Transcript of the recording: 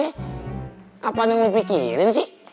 kapan yang lu pikirin sih